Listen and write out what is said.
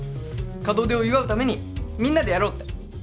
門出を祝うためにみんなでやろうって。